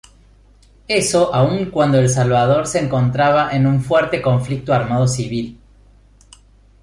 Eso aún cuando El Salvador se encontraba en un fuerte conflicto armado civil.